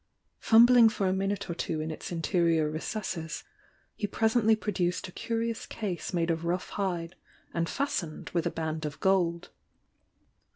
Fumbling for a minute or two in its interior recesses, he presently produced a curious case made of rough hide and fastened with a band of gold.